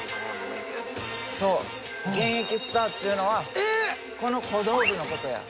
そう現役スターっちゅうのはこの小道具のことや。